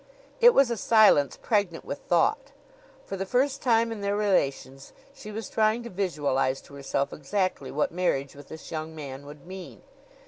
It was a silence pregnant with thought. For the first time in their relations, she was trying to visualize to herself exactly what marriage with this young man would mean.